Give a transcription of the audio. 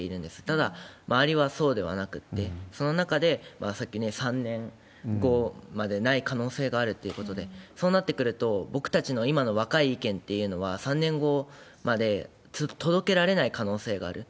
ただ、周りはそうではなくって、その中でさっき、３年後までない可能性があるっていうことで、そうなってくると、僕たちの今の若い意見っていうのは、３年後まで届けられない可能性がある。